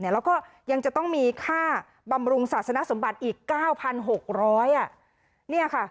แล้วก็ยังจะต้องมีค่าบำรุงศาสนสมบัติอีก๙๖๐๐บาท